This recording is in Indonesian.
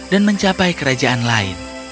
dan mencapai kerajaan lain